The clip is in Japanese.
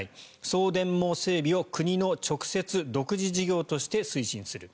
送電網整備を国の直接・独自事業として推進する。